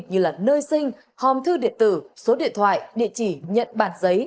như là nơi sinh hòm thư điện tử số điện thoại địa chỉ nhận bản giấy